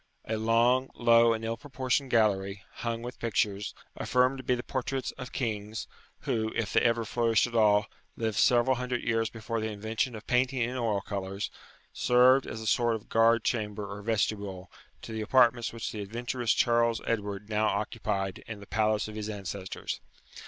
A long, low, and ill proportioned gallery, hung with pictures, affirmed to be the portraits of kings, who, if they ever flourished at all, lived several hundred years before the invention of painting in oil colours, served as a sort of guard chamber or vestibule to the apartments which the adventurous Charles Edward now occupied in the palace of his ancestors.